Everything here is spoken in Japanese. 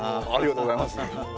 ありがとうございます。